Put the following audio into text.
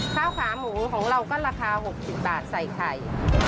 ข้าวขาหมูของเราก็ราคา๖๐บาทใส่ไข่